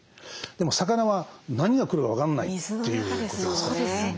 でも魚は何が来るか分かんないということですから。